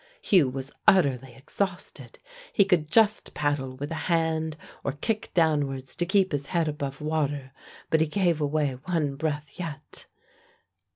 Hugh was utterly exhausted: he could just paddle with a hand or kick downwards to keep his head above water, but he gave away one breath yet.